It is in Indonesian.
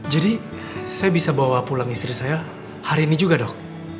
jadi saya bisa bawa pulang istri saya hari ini juga dok